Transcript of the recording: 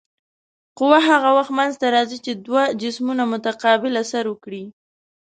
قوه هغه وخت منځته راځي چې دوه جسمونه متقابل اثر وکړي.